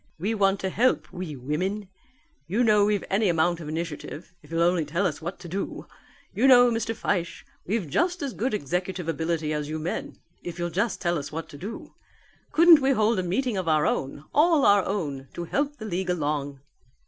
"We want to help, we women. You know we've any amount of initiative, if you'll only tell us what to do. You know, Mr. Fyshe, we've just as good executive ability as you men, if you'll just tell us what to do. Couldn't we hold a meeting of our own, all our own, to help the league along?"